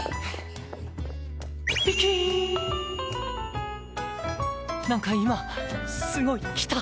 ピキーン！なんか今すごいきた！